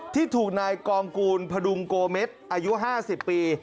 ที่ถูกนายกองกูลพดุงโกเม็ดอายุ๕๐ปี